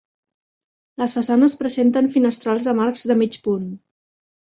Les façanes presenten finestrals amb arcs de mig punt.